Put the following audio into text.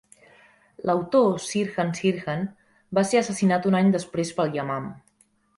L"autor, Sirhan Sirhan, va ser assassinat un any després pel Yamam.